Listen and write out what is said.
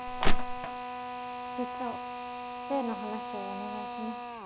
部長例の話をお願いします。